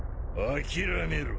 諦めろ。